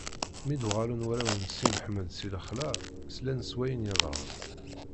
Mi d-uɣalen warraw n Si Mḥemmed si lexla, slan s wayen yeḍran.